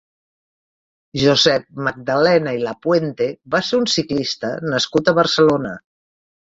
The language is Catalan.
Josep Magdalena i Lapuente va ser un ciclista nascut a Barcelona.